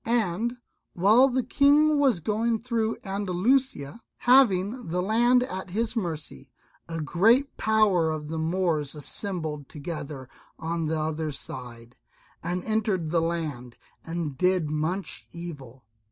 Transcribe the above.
And while the King was going through Andalusia, having the land at his mercy, a great power of the Moors assembled together on the other side, and entered the land, and did much evil.